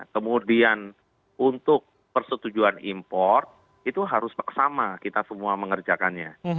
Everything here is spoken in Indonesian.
kemudian untuk persetujuan import itu harus sama kita semua mengerjakannya